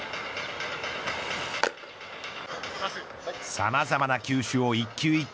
さまざまな球種を一球一球